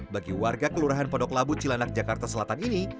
bagi warga kelurahan podok labu cilanak jakarta selatan ini